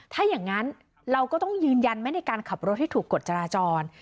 ถ้าอย่างนั้นเราก็ต้องยืนยันไหมในการขับรถให้ถูกกฎจราจร